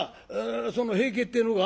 その『平家』ってえのか？